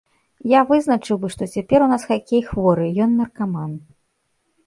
Я вызначыў бы, што цяпер у нас хакей хворы, ён наркаман.